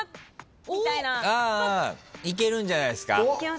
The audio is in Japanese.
いけるんじゃないっすか。